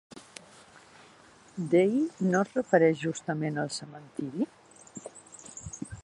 Dei» no es refereix justament al cementiri?